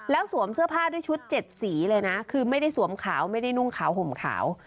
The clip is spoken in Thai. แล้วสวมเสื้อผ้าด้วยชุด๗สีเลยนะคือไม่ได้สวมขาวไม่ได้นุ่งขาวห่มขาว